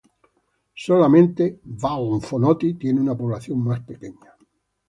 Solamente Va'a-o-Fonoti tiene una población más pequeña.